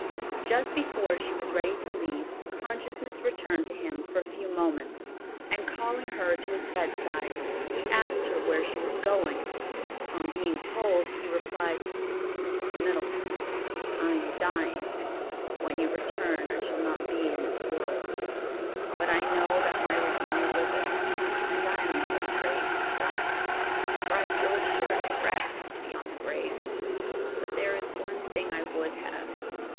Just before she was ready to leave, consciousness returned to him for a few moments, and calling her to his bedside, he asked her where she was going. On being told he replied, "Mrs. Middleton, I am dying. When you return I shall not be in this world; but I know that my Redeemer liveth, and I am not afraid to die, for I feel assured of rest beyond the grave; but there is one thing I would have.